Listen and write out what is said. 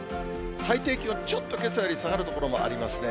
最低気温、ちょっとけさより下がる所もありますね。